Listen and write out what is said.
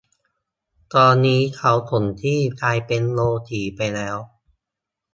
ตอนนี้เค้าถมที่กลายเป็นโรงสีไปแล้ว